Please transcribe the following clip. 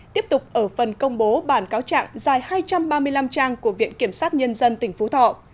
tiếp tục ở phần công bố bản cáo trạng dài hai trăm ba mươi năm trang của viện kiểm sát nhân dân tỉnh phú thọ